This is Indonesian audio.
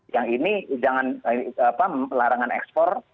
yang ini larangan ekspor